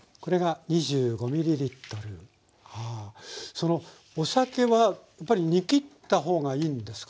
そのお酒はやっぱり煮きった方がいいんですか？